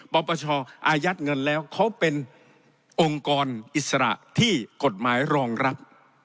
ปปชอายัดเงินแล้วเขาเป็นองค์กรอิสระที่กฎหมายรองรับ